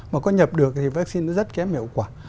mà có nhập được thì vaccine nó rất kém hiệu quả